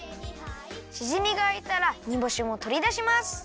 しじみがあいたらにぼしもとりだします！